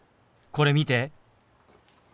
これ見て。